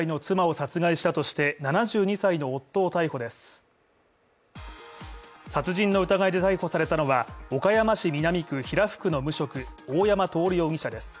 殺人の疑いで逮捕されたのは岡山市南区平福の無職、大山徹容疑者です。